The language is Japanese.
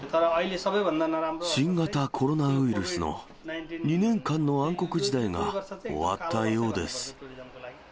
新型コロナウイルスの２年間の暗黒時代が終わったようです。